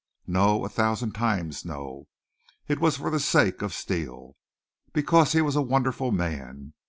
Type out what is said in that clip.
No a thousand times no. It was for the sake of Steele. Because he was a wonderful man!